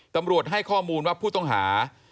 ตำรวจให้ข้อมูลว่าผู้ต้องหา